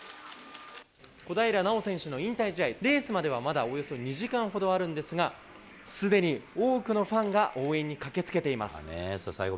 小平奈緒選手の引退試合、レースまではまだおよそ２時間ほどあるんですが、すでに多くのファンが応援に駆けつけています。